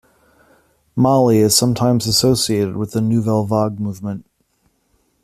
Malle is sometimes associated with the "nouvelle vague" movement.